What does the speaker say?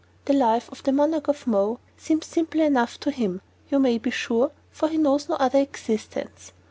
The life of the Monarch of Mo seems simple enough to him, you may be sure, for he knows no other existence.